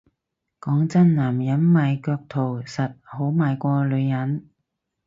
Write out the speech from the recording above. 講真男人賣腳圖實好賣過女人